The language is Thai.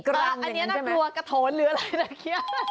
อันนี้น่ากลัวกระโถนหรืออะไรนะเคี้ย